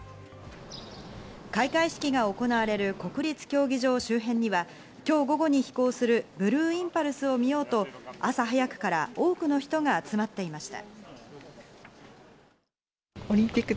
開会式が行われる国立競技場周辺には、今日午後に飛行するブルーインパルスを見ようと朝早くから多くの人が集まっていました。